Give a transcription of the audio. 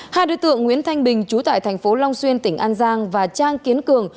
hai đối tượng nguyễn thanh bình chú tại thành phố long xuyên tỉnh an giang và trang kiến cường